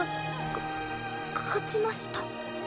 かか勝ちました。